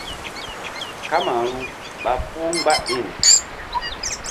Kamaru ɓa puh mgba iŋ.